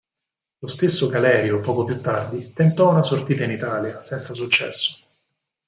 Lo stesso Galerio poco più tardi tentò una sortita in Italia, senza successo.